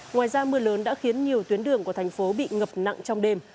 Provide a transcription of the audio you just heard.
ngoài ra mưa lớn đã khiến nhiều tuyến đường của thành phố bị ngập nặng trong đêm